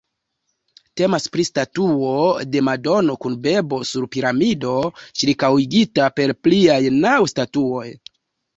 Temas pri statuo de Madono kun bebo sur piramido, ĉirkaŭigita per pliaj naŭ statuoj.